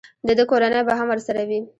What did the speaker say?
د ده کورنۍ به هم ورسره وي.